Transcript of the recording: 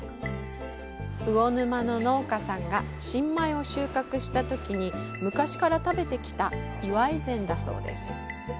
魚沼の農家さんが新米を収穫したときに昔から食べてきた祝い膳だそうです。